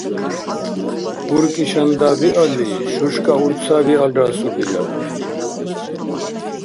УркӀи шанда биалли, шушка урца биалра асубирар.